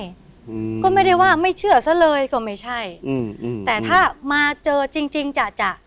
อืมก็ไม่ได้ว่าไม่เชื่อซะเลยก็ไม่ใช่อืมอืมแต่ถ้ามาเจอจริงจริงจะจะ